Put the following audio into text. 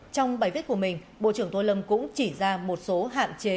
trong bài viết của mình bộ trưởng tô lâm cũng chỉ ra một số hạn chế